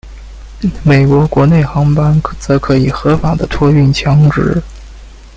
美国国内航班则可以合法的托运枪支。